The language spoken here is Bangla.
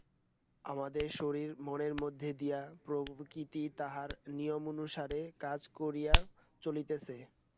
আমাদের শরীর মনের মধ্য দিয়া প্রকৃতি তাহার নিয়মানুসারে কাজ করিয়া চলিতেছে।